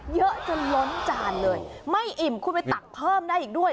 เยอะจนล้นจานเลยไม่อิ่มคุณไปตักเพิ่มได้อีกด้วย